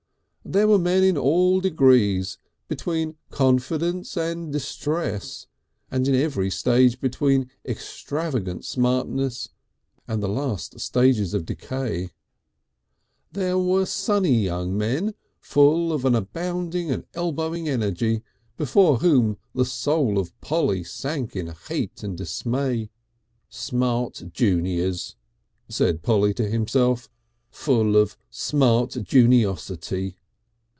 There were men in all degrees between confidence and distress, and in every stage between extravagant smartness and the last stages of decay. There were sunny young men full of an abounding and elbowing energy, before whom the soul of Polly sank in hate and dismay. "Smart Juniors," said Polly to himself, "full of Smart Juniosity.